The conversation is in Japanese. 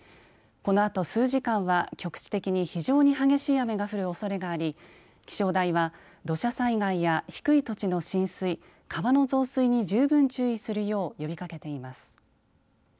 このあと数時間は局地的に非常に激しい雨が降るおそれがあり気象台は、土砂災害や低い土地の浸水川の増水に十分注意するよう呼びかけています。